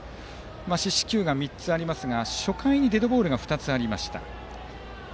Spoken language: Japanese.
四死球が３つありますが初回にデッドボールが２つありました。